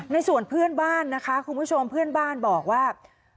ในส่วนเพื่อนบ้านนะคะคุณผู้ชมเพื่อนบ้านบอกว่า